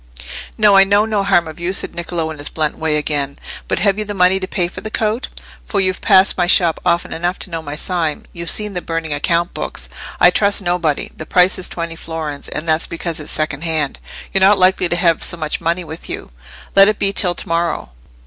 "No, I know no harm of you," said Niccolò, in his blunt way again. "But have you the money to pay for the coat? For you've passed my shop often enough to know my sign: you've seen the burning account books. I trust nobody. The price is twenty florins, and that's because it's second hand. You're not likely to have so much money with you. Let it be till to morrow."